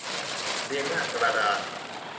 เรียงหน้ากระดาน